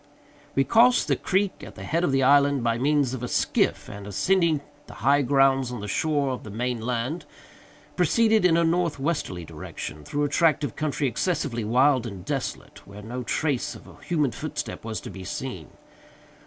We crossed the creek at the head of the island by means of a skiff, and, ascending the high grounds on the shore of the main land, proceeded in a northwesterly direction, through a tract of country excessively wild and desolate, where no trace of a human footstep was to be seen.